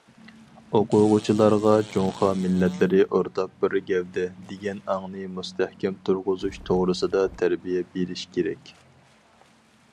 ئوقۇغۇچىلارغا‹‹ جۇڭخۇا مىللەتلىرى ئورتاق بىر گەۋدە›› دېگەن ئاڭنى مۇستەھكەم تۇرغۇزۇش توغرىسىدا تەربىيە بېرىش كېرەك.